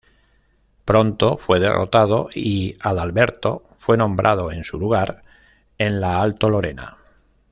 Pronto fue derrotado y Adalberto fue nombrado en su lugar en la Alto Lorena.